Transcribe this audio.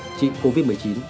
để trị covid một mươi chín